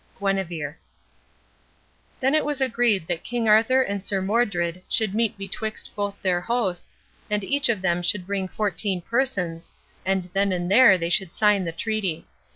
Guinevere Then was it agreed that King Arthur and Sir Modred should meet betwixt both their hosts, and each of them should bring fourteen persons, and then and there they should sign the treaty.